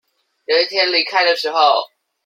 有一天離開的時候